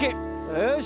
よし！